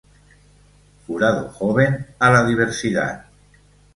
Jurado Joven a la Diversidad.